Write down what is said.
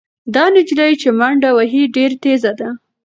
دا نجلۍ چې منډه وهي ډېره تېزه ده.